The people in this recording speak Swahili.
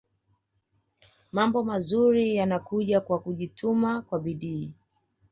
Mambo manzuri yanakuja kwa kujituma kwa bidii